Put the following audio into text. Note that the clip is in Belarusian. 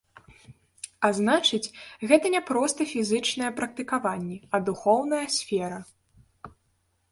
А значыць, гэта не проста фізічныя практыкаванні, а духоўная сфера.